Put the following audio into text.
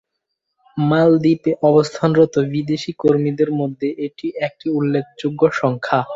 মালদ্বীপে অবস্থানরত বিদেশী কর্মীদের মধ্যে এটি একটি উল্লেখযোগ্য সংখ্যা।